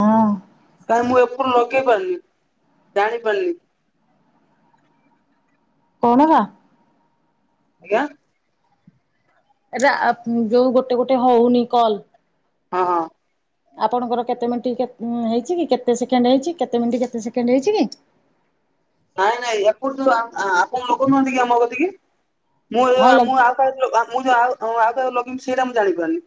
ହଁ। କାହିଁ ମୁଁ ଏପଟୁ ଲଗେଇ ପାରିଲି ଜାଣିପାରିଲି। କଣ ବା? ଆଜ୍ଞା। ଏବେ ଆ ଯୋଉ ଗୋଟେ ଗୋଟେ ହଉନି କଲ। ହଁ ହଁ। ଆପଣଙ୍କର କେତେ ମିନିଟ୍ କେ ହେଇଚି କି କେତେ ସେକେଣ୍ଡ ହେଇଚି କେତେ ମିନିଟ୍ କେତେ ସେକେଣ୍ଡ ହେଇଚିକି? ନାଇଁ ନାଇଁ ଏପଟ ଯ ଆପଣ ଲୋକ ନହାନ୍ତି କି ଆମ କତିିକି ମୁଁ ହଁ ମୁଁ ଲଗୁ ଆଉ ମୁଁ ଯଉ ଆଉ ଆଉ କାହାକୁ ଲଗେଇମି ସେଇଟା ମୁଁ ଜାଣିପାରୁନି।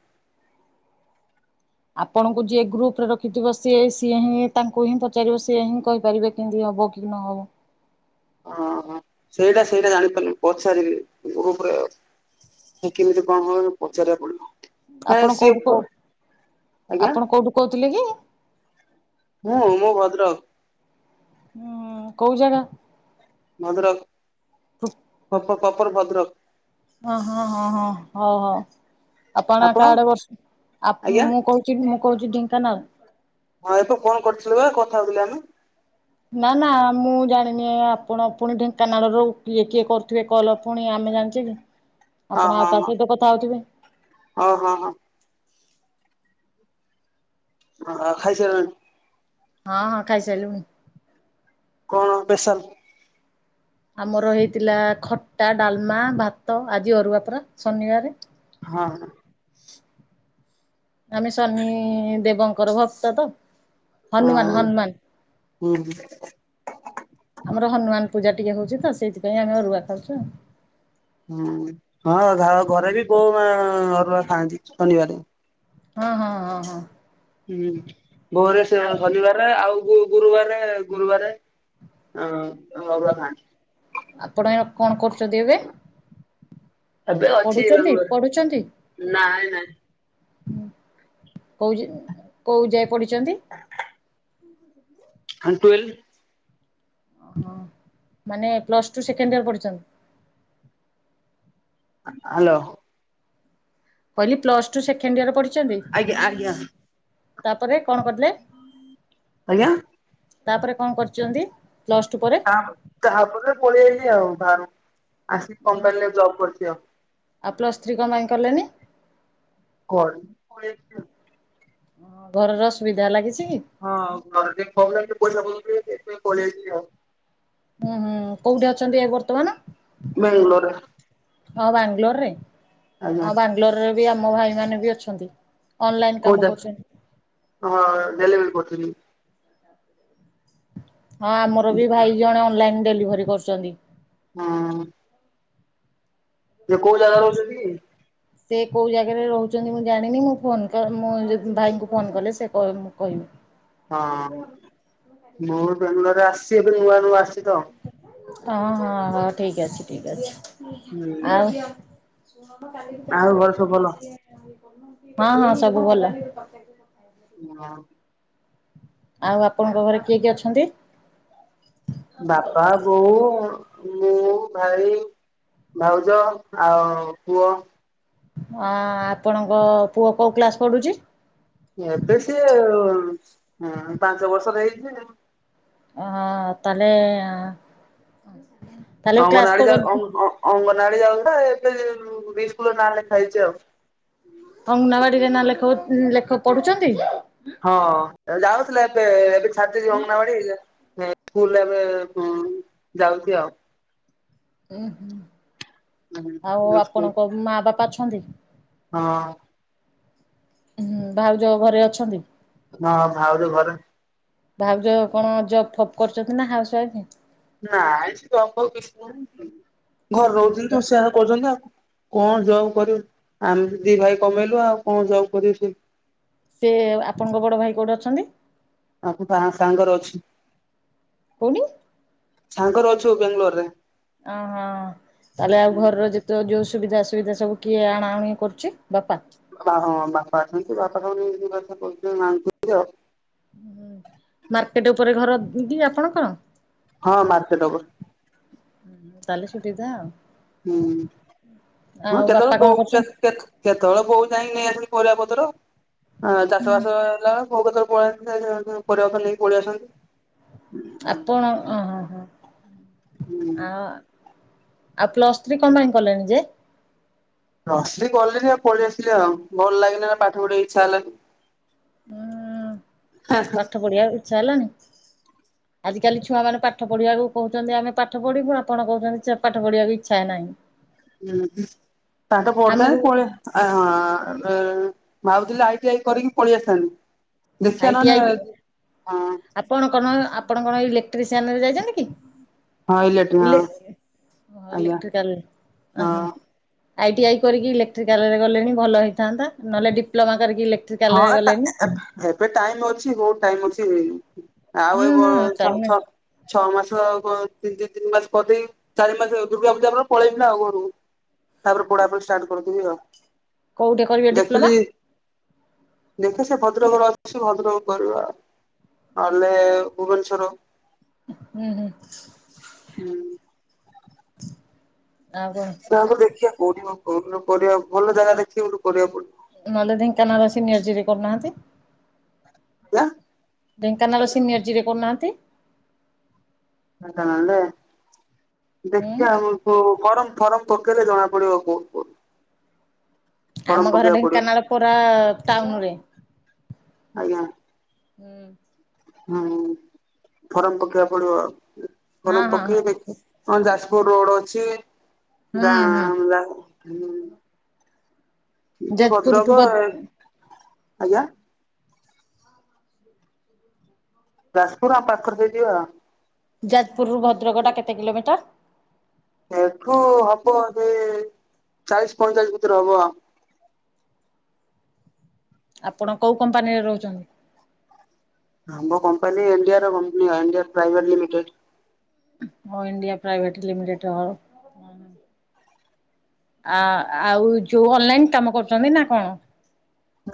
ଆପଣଙ୍କୁ ଯିଏ ଗ୍ରୁପ ରେ ରଖିଥିବ ସିଏ ସିଏ ହିଁ ତାଙ୍କୁ ହିଁ ପଚାରିବ ସିଏ ହିଁ କହିପାରିବେ। କେମିତି ହବ କି ନହବ। ଓଁ ସେଇଟା ସେଇଟା ଜାଣିପାରୁନି ପ ସାରିବି ଗପରେ। କିମିତି କଣ ପଚାରିବା ପଡିବ। ନାଇଁ ଆପଣ ସିଏ କୋଉଠୁ ଫୋ ଆଜ୍ଞା ଆପଣ କୋଉଠୁ କହୁଥିଲେ କି? ମୁଁ ମୋ ଭଦ୍ରକ। ହୁଁ କୋଉ ଜାଗା? ଭଦ୍ରକ। ହ କ କପର ଭଦ୍ରକ। ହଁ ହଁ ହଁ ହଁ ହଉ ହଉ। ଆପଣ କା ଆଡେ ବସି ଆଜ୍ଞା ମୁଁ କହୁ [unintelligible] ମୁଁ କହୁଚି ଢେଙ୍କାନାଳ। ହଁ ଏବେ ଫୋନ କରିଥିଲୁ ବା କଥା ହଉଥିଲେ ଆମେ। ନା ନା ମୁଁ ଜାଣିନି ଆପଣ ପୁଣି ଢେଙ୍କାନାଳରୁ କିଏ କିଏ କରୁଥିବେ କଲ ପୁଣି ଆମେ ଜାଣିଚେ କି। ଆପଣ ଆଉ କାହା ସହିତ କଥା ହଉଥିବେ। ଓ ହଁ ହଁ। ଅ ଖାଇସାରିଲାଣି? ହଁ ହଁ ଖାଇସାରିଲୁଣି। କଣ ବେଶାଲ? ଆମର ହେଇଥିଲା ଖଟା ଡାଲମା ଭାତ ଆଜି ଅରୁଆ ପରା ଶନିବାରେ। ହଁ। ଆମେ ଶନି ଦେବଙ୍କର ଭକ୍ତ ତ। ହନୁମାନ ହଁ ହନୁମାନ। ହୁଁ ଆମର ହନୁମାନ ପୂଜା ଟିକେ ହଉଚି ତ ସେଇଥିପାଇଁ ଆମେ ଟିକେ ଅରୁଆ ଖାଉଚୁ ଆଉ। ହୁଁ ହଁ ଘରେ ବି ବୋଉ ମା ଅରୁଆ ଖାଆନ୍ତି ଶନିବାରେ। ହଁ ହଁ ହଁ ହଁ। ହୁଁ ଭୋରେ ଆଉ ଶନିବାର ଆଉ ଗୁରୁବାର ଗୁରୁବାରେ। ହଁ ଅରୁଆ ଖାଆନ୍ତି। ଆପଣ କଣ କରୁଚନ୍ତି ଏବେ? ଏବେ ଅଛି ପଢୁଚନ୍ତି ବାଙ୍ଗଲୋରରେ ପଢୁଚନ୍ତି? ନାଇଁ ନାଇଁ କୋଉଚି କୋଉ ଯାଏ ପଡିିଚନ୍ତି। ହ ହ ଟୁଏେଲ୍। ଓଁ ମାନେ ପ୍ଲସ୍ ଟୁ ସେକେଣ୍ଡ ଇୟର ପଢିଚନ୍ତି? ହାଲୋ। କହିଲି ପ୍ଲ ଟୁ ସେକେଣ୍ଡ ଇୟର ପଢିଚନ୍ତି। ଆଜ୍ଞା ଆଜ୍ଞା। ତାପରେ କଣ କରିଲେ? ଆଜ୍ଞା। ତାପରେ କଣ କରିଚନ୍ତି ପ୍ଲସ ଟୁ ପରେ? ତାଆପରେ ପଳେଇଆଇଲି ଆଉ ବାହାରୁକୁ ଆସିକି କମ୍ପାନୀରେ ଜବ୍ କରିଚି ଆଉ। ଆଉ ପ୍ଲସ୍ ଥ୍ରୀ କଁ ପାଇଁ କଲେନି? କଣ [unintelligible] ଘର ର ଅସୁବିଧା ଲାଗିଛି? ହଁ ଘରେ [unintelligible] ପଇସା ପତର ସେଇଥିପାଇଁ ପଳେଇ ଆଇଚି ଆଉ। ଓହୋ କୋଉଠି ଅଛନ୍ତି ଏ ବର୍ତ୍ତମାନ? ବାଙ୍ଗଲୋର ହଁ ବାଙ୍ଗଲୋରରେ ଆଜ୍ଞା ହଁ ବାଙ୍ଗଲୋରରେ ବି ଆମ ଭାଇମାନେ ବି ଅଛନ୍ତି। ଅନଲାଇନ୍ କୋଉ କାମ ଜା କରୁଚନ୍ତି। ହଁ ଡେଲିଭରି କରୁଥିଲି। ହଁ ଆମର ବି ଭାଇ ଜଣେ ଅନଲାଇନ ଡେଲିଭରି କରୁଚନ୍ତି। ହଁ। ସେ କୋଉ ଜାଗା ରହୁଚନ୍ତି କି? ସେ କୋଉ ଜାଗାରେ ରହୁଚନ୍ତି ମୁଁ ଜାଣିନି ମୁଁ ଫୋନ କ ମୁଁ ଯଦି ଭାଇଙ୍କୁ ଫୋନ କଲେ ସେ କେଇବେ ମୁଁ କଇବି। ହଁ ମୁଁ ବେଙ୍ଗଲୋରରେ ଆସିଚି ଏବେ ନୂଆ ନୂଆ ଆସିଚି ତ। ଅହ ହ ଠିକ ଅଛି ଠିକ ଅଛି ହୁଁ ଆଉ ହଁ ଆଉ ଘରେ ସବୁ ଭଲ? ହଁ ସବୁ ଭଲ। ହଁ। ଆଉ ଆପଣଙ୍କ ଘରେ କିଏ କିଏ ଅଛନ୍ତି? ବାପା ବୋଉ ମୁଁ ଭାଇ। ଭାଉଜ ଆଉ ପୁଅ। ଅ ଆପଣଙ୍କ ପୁଅ କୋଉ କ୍ଳାସ ପଢୁଚି? ଏବେ ସିଏ ପାଞ୍ଚ ବର୍ଷର ହେଇଚି। ହ ତାହାଲେ। ଅଙ୍ଗନବାଡି ଯାଉ ଅଙ୍ଗ-ଅଙ୍ଗ-ଅ-ଅଙ୍ଗନବାଡି ଯାଉଥିଲା ଏବେ ବି ସ୍କୁଲ ରେ ନାଁ ଲେଖା ହେଇଚି ଆଉ। ଅଙ୍ଗନାବାଡିରେ ନା ଲେଖଉ ଲେଖ୍ ପଢୁଚନ୍ତି? ହଁ ଯାଉଥିଲା ଏବେ ଏବେ ଛାଡିଦେଇଛି ଅଙ୍ଗନାବାଡି। ସ୍କୁଲ ରେ ଏବେ ହୁଁ ଯାଉଚି ଆଉ। ଉଁ ହୁଁ ଆଉ ସ୍କୁଲ ଆପଣଙ୍କ ମା ବାପା ଅଛନ୍ତି? ହଁ। ହୁଁ ଭାଉଜ ଘରେ ଅଛନ୍ତି? ହଁ ଭାଉଜ ଘରେ। ଭାଉଜ କଣ ଜବ୍ ଫବ କରୁଚନ୍ତି ନା ହାଉସୱାଇଫ୍? ନାଇଁ ସେ ଜବ ଫବ୍ କିଛି କରୁନି ଘରେ ରହୁଚନ୍ତି ହୁଁ ରୋଷେଇ ବାସ କରୁଚନ୍ତି ଆଉ କଣ। କଣ ଜବ୍ କରିବେ ଆମେ ତ ଦି ଭାଇ କମେଇଲୁ ଆଉ କଣ ଜବ୍ କରିବ ସିଏ? ସେ ଆପଣଙ୍କ ବଡ଼ ଭାଇ କୋଉଠି ଅଛନ୍ତି? [unintelligible] ସାଙ୍ଗରେ ଅଛି। କୋଉଠି? ସାଙ୍ଗରେ ଅଛୁ ବେଙ୍ଗଲୋରରେ। ଅ ହଁ। ତାହେଲେ ଆଉ ଘରର ଯେତେ ଯୋଉ ସୁବିଧା ଅସୁବିଧା ସବୁ କିଏ ଆଣାଆଣି କରୁଛି ବାପା। ବା ହଁ ବାପା ଅଛନ୍ତି ବାପା ବାପା ସବୁ ନେଇକି ଯିବା ଆସିବା [unintelligible] ମାଆ ଙ୍କୁ ଆଉ ହୁ ମାର୍କେଟ ଉପରେ ଘର କି ଆପଣଙ୍କର? ହଁ ମାର୍କେଟ ଉପରେ। ତାଲେ ସୁବିଧା ଆଉ ହୁଁ ହଁ ଆଉ ବାପା କେତେବେଳେ କଣ ବୋଉ କରୁଛନ୍ତି? କେତେ କେତେ କେତେବେଳେ ବୋଉ ଯାଇକି ନେଇ ଆସନ୍ତି ପରିବାପତ୍ର ଆ ଚାଷ ହୁଁ ବାସ ହେଲା। ବୋଉ କେତେଳେ ପଳେଇ ଆସନ୍ତି ପରିବାପତ୍ର ନେଇକି ପଳେଇଆସନ୍ତି। ଆପଣ ଅ ହ ହୁଁ ହ ଆ ଆଉ ପ୍ଲସ ଥ୍ରୀ କଣ ପାଇଁ କଲେଣି ଯେ? ପ୍ଲସ ଥ୍ରିି କଲିନି ଆଉ ପଳେଇ ଆସିଲି ଆଉ ଭଲ ଲାଗିଲନି ନା ପାଠ ପଢିବାକୁ ଇଚ୍ଛା ହେଲାଣି। ହୁଁ ପାଠ ପଢିବାକୁ ଇଚ୍ଛା ହେଲାନି। ଆଜିକାଲି ଛୁଆମାନେ ପାଠ ପଢିବାକୁ କହୁଛନ୍ତି, ଆମେ ପାଠ ପଢିବୁ ଆପଣ କହୁଛନ୍ତି ପାଠ ପଢିବାକୁ ଇଚ୍ଛା ନାହିଁ? ଉ ହୁଁ ତାଟା ପଡଥା ଆମକୁ ପଳିଆ ଆ ହଁ ଭାବୁଥିଲି ଆଇଟି ଆଇ କରିକି ପଳେଇ ଆସିଥାନ୍ତି। ଦେଖିବା ଆଇ ଟି ଆଇ ନହେଲେ ହଁ ଆପଣ କଣ ଆପଣ କଣ ଇଲେକ୍ଟ୍ରିସିଆନରେ ଯାଇଛନ୍ତି କି? ହଁ ଇଲେକ୍ଟ୍ରି ହଁ ଇଲେ ଆଜ୍ଞା ଇଲେକ୍ଟ୍ରିକାଲ ଅ ହ ହଁ। ଆଇଟି ଆଇ କରିକି ଇଲେକ୍ଟ୍ରିକାଲରେ ଗଲେଣି ଭଲ ହୋଇଥାନ୍ତା ନହେଲେ ଡିପ୍ଲୋମା କରିକି ହଁ ଇଲେକ୍ଟ୍ରିକାଲରେ ଟା ଗଲେଣି ଏ ଏବେ ଟାଇମ ଅଛି ବହୁତ ଟାଇମ ଅଛି ଆଉ ହୁଁ ଏ ବ ହୁଁ ଛ ଟାଇମ ଛ ଛଅ ମାସ ଆଉ କ ଦି ତିନି ମାସ କଦେଇ ଚାରି ମାସ ଦୁର୍ଗା ପୂଜା ପରେ ପଳେଇବି ନା ଆଉ ଘରୁ ତାପରେ ପଡା ପୋଡି ଷ୍ଟାଣ୍ଡ କରୁଥିଲି ଆଉ କୋଉଠି କରିବେ ଡିପ୍ଲୋମା? ଦେଖିଲି ଦେଖେ ସେ ଭଦ୍ରକର ଅଛି ଭଦ୍ରକ କରିବା ନହେଲେ ଭୁବନେଶ୍ଵର ହୁଁ ହୁଁ ହୁଁ ଆଉ କଣ କୋଉଠୁ ଦେଖିବା କୋଉଠି କଣ କୋଉଠି କଣ କରିବା ଭଲ ଜାଗା ଦେଖିବା ଗୋଠୁ କରିବାକୁ ପଡିବ ନହେଲେ ଢେଙ୍କାନାଳ ସିନିୟର ଜିରି କରୁନାହାନ୍ତି କ [unintelligible] ଢେଙ୍କାନାଲ ସିନିର ଜିରିରେ କହୁନାହାନ୍ତି ଢେଙ୍କାନାଳ ରେ ହୁଁ ଦେଖିବା କୋ ହ କରମ ଫରମ ପକେଇଲେ ଜଣା ପଡିବ କୋଉ କୋଉ ଆମ ଘର ଢେଙ୍କାନାଳ ପଡିବ ପୋରା ଟାଉନ ରେ ଆଜ୍ଞା ହୁଁ ହୁଁ ଫରମ ପକେଇବା ପଡିବ ହଁ ଫରମ ହଁ ହଁ ପକେଇ ଦେଖ ହଁ ଯାଜପୁର ରୋଡ ଅଛିଁ ହୁଁ ହୁଁ ଗାଁ ହୁ ଏଠି ଯାଜପୁର ଟୁ ଭଦ୍ରକ ଆଜ୍ଞା ଯାଜପୁର ଆମ ପାଖରେ ଯିବି ଆଉ ଯାଜପୁରରୁ ଭଦ୍ରକଟା କେତେ କିଲୋମିଟର? ଏଠୁ ହବ ଯେ ଚାଳିଶ ପଇଁଚାଳିଶ ଭିତରେ ହବ ଆଉ ଆପଣ କେଉଁ କମ୍ପାନୀରେ ରହୁଛନ୍ତି? ଆମ କମ୍ପାନୀ ଇଣ୍ଡିଆର କମ୍ପାନଣ୍ଡିଆ ପ୍ରାଇଭେଟ ଲିମିଟେଡ ଅ ଇଣ୍ଡିଆ ପ୍ରାଇଭେଟ ଲିମିଟେଡ ଆ ଆଉ ଯୋଉ ଅନଲାଇନ କାମ କରୁଛନ୍ତି ନା କଣ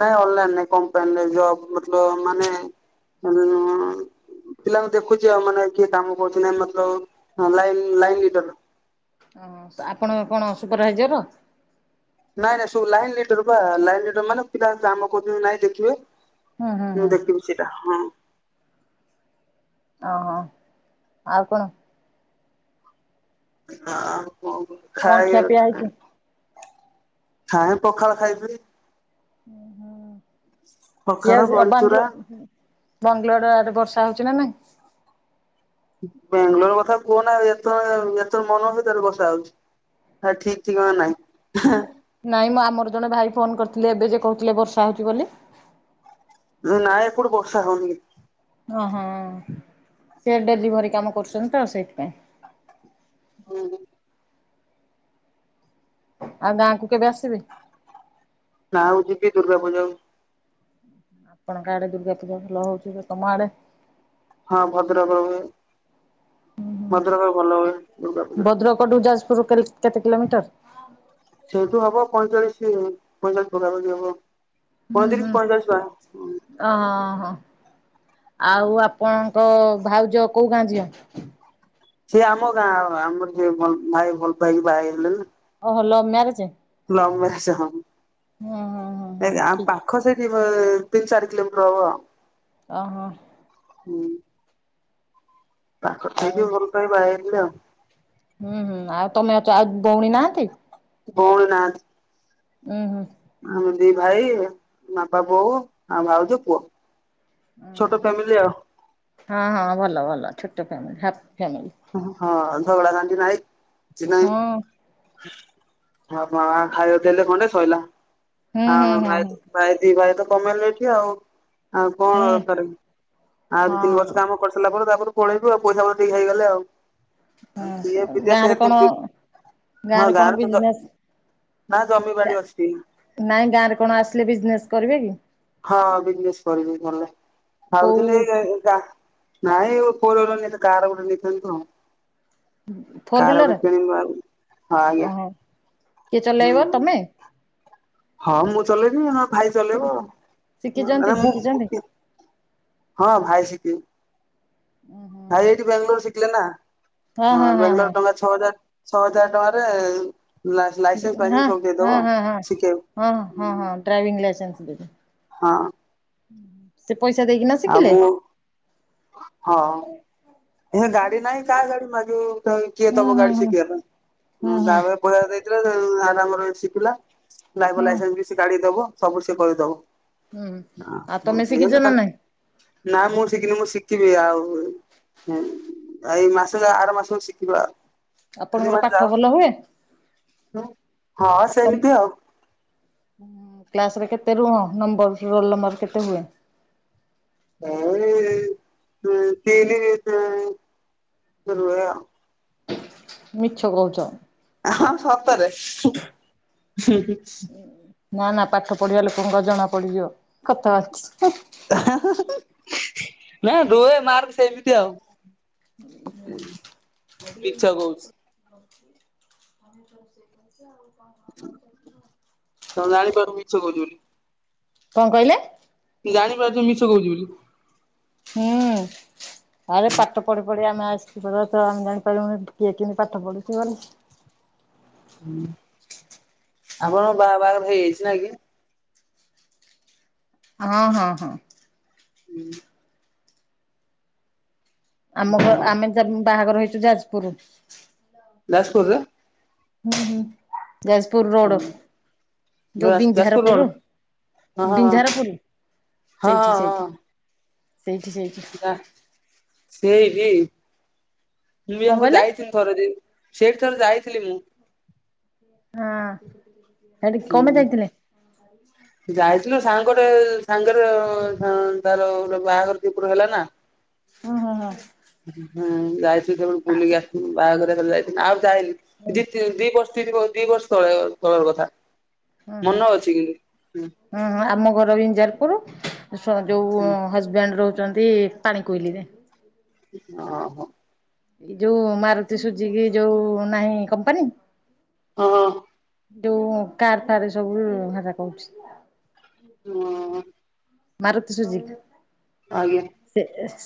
ନାଇଁ ଅନ୍ ଲାଇନରେ କମ୍ପାନୀରେ ଜବ ମତଲବ ମାନେ [unintelligible] ପିଲାଙ୍କୁ ଦେଖୁଛି ଆଉ ମାନେ କିଏ କାମ କରୁଚି ନା ମତଲବ ଲାଇ ଲାଇଟର ହଁ ଆପଣ କଣ ସୁପରଭାଇଜର? ନାଇଁ ନାଇଁ ସବୁ ଲାଇନ୍ ଲିଟର ବା ଲାଇନ୍ ଲିଟର ମାନେ ପିଲା ମାନେ କାମ କରୁଛନ୍ତି ନାଇଁ ଦେଖିବେ। ହୁଁ ହୁଁ ମୁଁ ହୁଁ ଦେଖିବି ସେଟା ହଁ। ଓହୋ ଆଉ କଣ? ଆଉ ଖିଆ କଣ ପିଆ ହେଇଛି? ଖାଇ [inaudible] [inaudible] ପଖାଳ ଖାଇଥିଲି। ଉଁ ପଖାଳ ହୁଁ ବଡିଚୁରା [inaudible] ବଙ୍ଗଲୋର ଆଡେ ବର୍ଷା ହଉଛି ନା ନାଇଁ? ବେଙ୍ଗାଲୋର କଥା କୁହନା ଯେତେବେଳେ ଯେତେବେଳେ ମନ ହଉଛି ସେତେବେଳେ ବର୍ଷା ହଉଛି ଠିକ୍ ଠିକଣା ନାହିଁ। ନାଇଁ ମ ଆମର ଜଣେ ଭାଇ ଫୋନ୍ କରିଥିଲେ ଏବେ ଯେ କହୁଥିଲେ ବର୍ଷା ହଉଛି ବୋଲି। ନାଇଁ ଏପଟେ ବର୍ଷା ହଉନି କି। ଓହୋ ସେ ଡେଲିଭରି କାମ କରୁଛନ୍ତି ତ ସେଇଥିପାଇଁ। ହୁଁ ହୁଁ। ଆଉ ଗାଁ କୁ କେବେ ଆସିବେ? ଗାଁ କୁ ଯିବି ଦୁର୍ଗା ପୂଜା କୁ। ଆପଣ ଙ୍କ ଆଡେ ଦୁର୍ଗା ପୂଜା ଭଲ ହଉଛି ତମ ଆଡେ? ହଁ ଭଦ୍ରକ ର ମୁଁ ଭଦ୍ରକ ରେ ଭଲ ହୁଏ। ଦୁର୍ଗା ପୂଜା ଭଦ୍ରକ ଠୁ ଯାଜପୁର କେ କେତେ କିଲୋମିଟର? ସେଇଠୁ ହବ ପଇଁଚାଳିଶ ପଇଁଚାଳିଶ ପକାପଖି ହବ ହୁଁ ହୁଁ ପଇଁତିରିଶ ପଇଁଚାଳିଶ ପା ଓହୋ ହୋ ଆଉ ଆ ଆପଣଙ୍କ ଭାଉଜ କୋଉ ଗାଁ ଝିଅ? ସିଏ ଆମ ଗାଁ ଆମର ଯିଏ ଭାଇ ଭଲ ପାଇକି ବାହା ହେଇଥିଲେ ନା। ଓହୋ ଲଭ୍ ମ୍ୟାରେଜ? ଲଭ୍ ମ୍ୟାରେଜ୍ ହଁ। ହୁଁ ହୁଁ ହୁଁ ଏ ହୁଁ ଆ ଠିକ୍ ପା ଅଛି। ଖ ସେଇଠି ଅ ତିନି ଚାରି କିିଲୋମିଟର ହବ। ଓହୋ। ହୁଁ। ପାଖରେ ଆଉ ସେଇଥିପାଇଁ ଭଲ ପାଇକି ବାହା ହେଇଯାଇଥିଲେ ଆଉ। ହୁଁ ହୁଁ ଆଉ ତମେ ଅଛ ଆଉ ବଉଣୀ ନାହାନ୍ତି? ଭଉଣି ନାହାନ୍ତି। ଉୁଁ ହୁଁ। ଆମେ ଦି ଭାଇ ବାପା ବୋଉ ଆଉ ଭାଉଜ ପୁଅ। ଛୋଟ ଫ୍ୟାମିଲି ଆଉ। ହଁ ହଁ ଭଲ ଭଲ ଛୋଟ ଫ୍ୟାମିଲି। Happy family. ହଁ ଝଗଡ଼ା ଝାଣ୍ଟି ନାହିଁ କିଛି ନାଇଁ। ହଁ। ହଁ ବାପା ମା ଖାଇବାକୁ ଦେଲେ ଗଣ୍ଡେ ସଇଲା। ହୁଁ ଆଁ ହୁଁ ଆମ ହୁଁ ଭାଇ ହୁଁ ଭାଇ ଦି ଭାଇ ତ କମେଇଲୁ ଏଠି ଆଉ। ଆଉ କଣ ହୁଁ ଦରକାର ଆଉ ହଁ ଦି ତିନି ବର୍ଷ ହଁ କାମ କରିସାରିଲା ପରେ ତାପରେ ପଳେଇବୁ ଆଉ ପଇସା ପତ୍ର ଟିକେ ହେଇଗଲେ ଆଉ। ଆଉ କିଏ ଆଚ୍ଛା ଗାଁ ବିଦେଶ ରେ କଣ ଗାଁ ରେ କଣ ବିଜିନେସ୍? ନାଁ ଜମି ବାଡି ଅଛି। ନାଇଁ ଗାଁ ରେ କଣ ଆସିଲେ ବିଜନେସ୍ କରିବେ କି? ହଁ ବିଜନେସ୍ କରିବି ଗଲେ। କୋଉ ଭାବୁଥିଲି ଏଇ ଇ ଗାଁ ନାଇଁ ଫୋର୍ ହ୍ୱିଲର ନାଇ ତ କାର ଗୋଟେ ନେଇଥାନ୍ତୁ ଆଉ। ଫୋର୍ କାର ହ୍ୱିଲର ଗୋଟେ କିଣିବା ଆଉ ହଁ ଆଜ୍ଞା। ଓହୋ କିଏ ଚଲେଇବ ହୁଁ ତମେ? ହଁ ମୁଁ ଚଲେଇବି ନହେଲେ ଭାଇ ଚଲେଇବ ଶିଖିଛନ୍ତି ଆରେ‌ ଶିଖିଛନ୍ତି? ମୁଁ ହଁ ଭାଇ ଶିକିନି। ଉଁ ହୁଁ ଭାଇ ଏଇଠି ବେଙ୍ଗଲୋର୍ ଶିଖିଲେ ନାଁ ହଁ ବେଙ୍ଗଲୋର୍ ଟଙ୍କା ଛ ଛଅ ହଜାର ଛଅ ହଜାର ଟଙ୍କାରେ ଲାଇ ଲାଇସେନ୍ସ ହଁ ହଁ ଫାଇସେନ୍ସ ସବୁ ଦେଇଦବ ହଁ ହଁ ଶିକେବ୍। ହଁ ହଁ ହଁ ହଁ ଡ୍ରାଇଭିଂ ଲାଇସେନ୍ସ ଦେବେ। ହଁ। ସେ ପଇସା ଦେଇକି ଆଉ ମୁଁ ହଁ। ହେ ଗାଡି ନାହିଁ କା ଗାଡି ମାଗିବୁ ତ କିଏ ହୁଁ ଦବ ହୁଁ ଗାଡି ହୁଁ ଶିଖିବା ପାଇଁ ହୁଁ ଉ ତା ହୁଁ ପଏ ବୁଆଦେଇଥିଲେ ଆରାମରେ ଶିଖିଲା ଡ୍ରାଇଭର ହୁଁ। ଲାଇସେନ୍ସ ବି। ସେ ଗାଡି ଦବ ସବୁ ସେ କରିଦବ। ହୁଁ ଆଁ ଆଉ ତମେ ବୁକ୍ ଶିଖିଛ ହେଇଗଲା ନା ତାହେଲେ। ନାଇଁ ନାଁ ମୁଁ ଶିଖିନି ମୁଁ ଶିଖିବି ଆଉ ହୁଁ ଏଇ ମାସ ଆର ମାସକୁ ଶିଖିବା ତିନି ଆପଣଙ୍କର ମାସ ପାଠ ଭଲ ହୁଏ? ଯାଉ। ହଁ ସେମିତି ଆଉ। କ୍ଲାସ୍ ରେ କେତେ ରୁହ ନମ୍ବର ରୋଲ ନମ୍ବର କେତେ ହୁଏ? ଏଇ ଦୁଇ ତିନି ରୁହେ ଆଉ। ମିଛ କହୁଚ। ହଁ ସତରେ। ନାଁ ନାଁ ପାଠ ପଢିବା ଲୋକଙ୍କ ଜଣା ପଡିଯିବ କଥା। ନାଁ ରୁହେ ମାର୍କ ସେମିତି ଆଉ। [unintelligible] ରୋଷେଇ ତମେ ମିଛ କହୁଛି ତ ରୋଷେଇ କରୁଚ ଆଉ କଣ ଖବର ସବୁ କୁହ। ତମେ ଜାଣିପାରୁ ମିଛ କହୁଚି ବୋଲି। କଣ କହିଲେ? ତୁ ଜାଣିପାରୁଚୁ ମିଛ କହୁଚି ବୋଲି। ହୁଁ ଆରେ ପାଠ ପଢି ପଢି ଆମେ ଆ କି ପମେ ଜାଣିପ କିଏ କିମି ପାଠ ପଢୁଛି ବୋଲି। ହୁଁ ଆପଣଙ୍କ ବାହା ବାହାଘର ହେଇଯାଇଚି ନାଁ କି? ହଁ ହଁ ହଁ। ହୁଁ। ଆମ ଘ ହଁ ଆମେ ବାହାଘର ହେଇଛୁ ଯାଜପୁର୍। ଯାସପୁର୍ ରେ। ହୁଁ ହୁଁ ଯାଜପୁର ରୋଡ଼। ଯୋଉ ଯାଜପୁର ରୋଡ ବିଞ୍ଝାରପୁରୁ ହଁ ହଁ ହଁ। ବିଞ୍ଝାରପୁରୀ ହଁ ସେଇଠି ସେଇଠି। ସେଇଠି ସେଇ। ଫିଦା ସେଇ ଠି ମୁଁ ବି କଣ ଆକୁ କହିଲେ ଯାଇଥିଲି। ଥରେ ଦି ସେଇଠି ଥରେ ଯାଇଥିଲି ମୁଁ। ଆଁ ହୁଁ। ଯାଇଥିଲୁ ସାଙ୍ଗଟେ ସାଙ୍ଗରେ ତାର ଗୋ ବାହାଘର ଦିପୁର ହେଲା ନାଁ। ହୁଁ ହୁଁ ହୁଁ। ହୁଁ ଯାଇ ତେବେଳେ ବୁଲିକି ଆସିଥିଲୁ ବାହାଘର ଯାଇଥିଲୁ ଆଉ ଯାଇନି ଦି ପରି ବହୁ ଦି ବର୍ଷ ତଳେ ତଳର କଥା। ହୁଁ ହୁଁ ମନେ ଅଛି କିନ୍ତୁ। ହୁଁ ହଁ ଆମ ଘର ଇଞଜାରପୁର ସ ଯୋଉଜ ହ ହୁଁ ହଜବ୍ୟାଣ୍ଡ ରହୁଚନ୍ତି ପାଣି କୋଇଲିରେ। ଓହୋ। ଏଯୋଉ ମାରୁତି ସୁଜିକି ଯୋଉ ନାହିଁ କମ୍ପାନୀ ହଁ। ଯୋଉ କାର୍ ଫାର୍ ସବୁ ହେରା କହୁଚି। ହଁ। ମାରୁତି ସୁଜିିକି। ଆଜ୍ଞା। ସେଏ ସେ